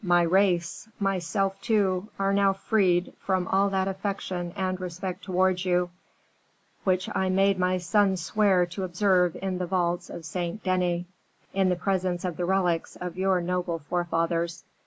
My race myself too are now freed from all that affection and respect towards you, which I made my son swear to observe in the vaults of Saint Denis, in the presence of the relics of your noble forefathers.